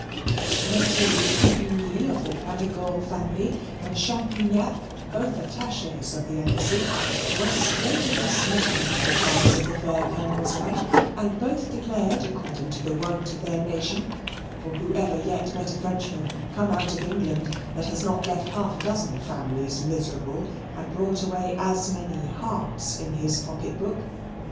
Messieurs de Truffigny (of the Perigord family) and Champignac, both attaches of the Embassy, were straightway smitten by the charms of the fair Colonel's wife, and both declared, according to the wont of their nation (for who ever yet met a Frenchman, come out of England, that has not left half a dozen families miserable, and brought away as many hearts in his pocket book?)